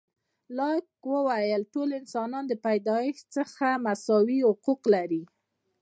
لاک وویل، ټول انسانان د پیدایښت څخه مساوي حقوق لري.